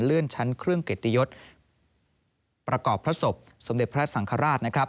เลื่อนชั้นเครื่องเกตยศประกอบพระศพสมเด็จพระสังคราช